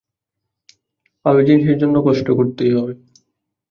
ভালো জিনিসের জন্যে কষ্ট করতেই হবে।